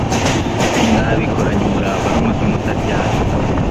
mwabikoranye umurava n'umutima utaryarya